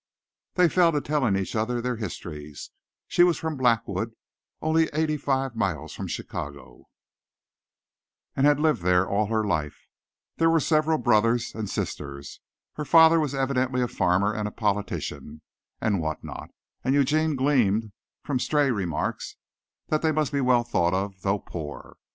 They fell to telling each other their histories. She was from Blackwood, only eighty five miles from Chicago, and had lived there all her life. There were several brothers and sisters. Her father was evidently a farmer and politician and what not, and Eugene gleaned from stray remarks that they must be well thought of, though poor.